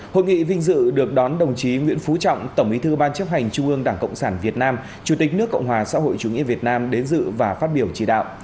hội nghị vinh dự được đón đồng chí nguyễn phú trọng tổng bí thư ban chấp hành trung ương đảng cộng sản việt nam chủ tịch nước cộng hòa xã hội chủ nghĩa việt nam đến dự và phát biểu chỉ đạo